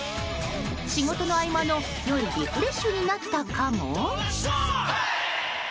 仕事の合間のいいリフレッシュになったかも？